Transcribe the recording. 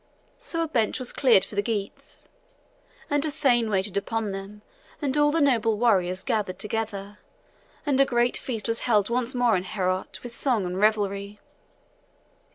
So a bench was cleared for the Geats, and a thane waited upon them, and all the noble warriors gathered together, and a great feast was held once more in Heorot with song and revelry.